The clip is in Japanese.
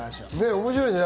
面白いね。